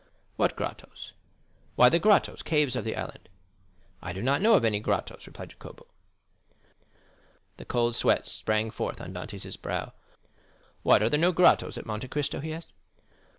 "What grottos?" "Why, the grottos—caves of the island." "I do not know of any grottos," replied Jacopo. The cold sweat sprang forth on Dantès' brow. "What, are there no grottos at Monte Cristo?" he asked.